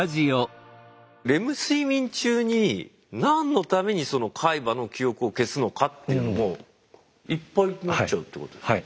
レム睡眠中に何のために海馬の記憶を消すのかっていうのもいっぱいになっちゃうってことですか？